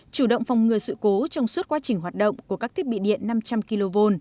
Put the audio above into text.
chủ động phòng ngừa sự cố trong suốt quá trình hoạt động của các thiết bị điện năm trăm linh kv